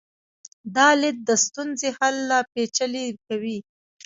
دا لید د ستونزې حل لا پیچلی کوي.